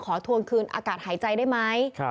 ทวงคืนอากาศหายใจได้ไหม